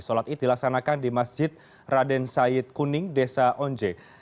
salat itu dilaksanakan di masjid raden syed kuning desa onje